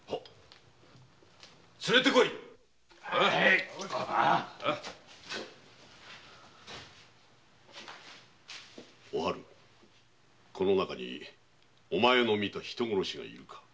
連れて来い！お春この中にお前の見た人殺しがいるか？